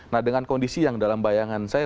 nah dengan kondisi yang dalam bayangan saya